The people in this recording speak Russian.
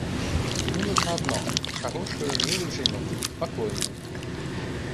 Ему нужно одно — хорошую, милую жену, спокойную.